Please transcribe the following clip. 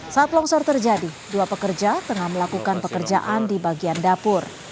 saat longsor terjadi dua pekerja tengah melakukan pekerjaan di bagian dapur